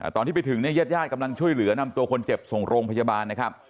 ตอนที่ไปถึงเนี่ยญาติญาติกำลังช่วยเหลือนำตัวคนเจ็บส่งโรงพยาบาลนะครับ